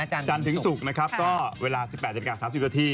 จันทร์ถึงศุกร์นะครับก็เวลา๑๘นาที๓๐นาที